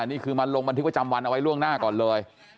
นี่คือมาลงบันทึกประจำวันเอาไว้ล่วงหน้าก่อนเลย